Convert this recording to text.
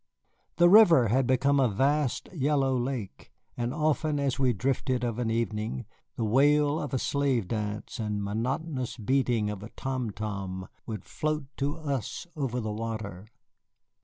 The river had become a vast yellow lake, and often as we drifted of an evening the wail of a slave dance and monotonous beating of a tom tom would float to us over the water.